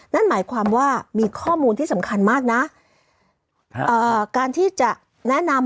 นั่นหมายความว่ามีข้อมูลที่สำคัญมากนะ